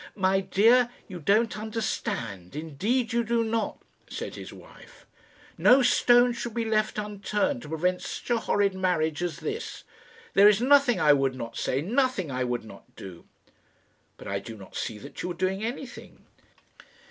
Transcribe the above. "My dear, you don't understand; indeed you do not," said his wife. "No stone should be left unturned to prevent such a horrid marriage as this. There is nothing I would not say nothing I would not do." "But I do not see that you are doing anything."